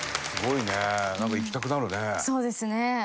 そうですね。